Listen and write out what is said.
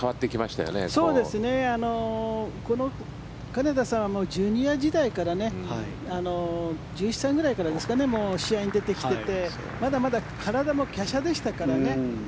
金田さんはジュニア時代から１１歳ぐらいからですかね試合に出てきててまだまだ体も華奢でしたからね。